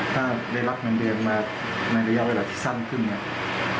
ถ้าได้รับเงินเดือนมาในระยะเวลาที่สั้นขึ้นเนี่ย